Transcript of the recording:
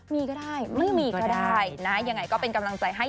มีก็ได้ไม่มีก็ได้นะยังไงก็เป็นกำลังใจให้